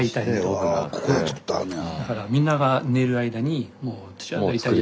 ここで作ってはるのや。